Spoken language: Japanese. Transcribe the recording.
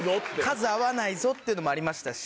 数合わないぞっていうのもありましたし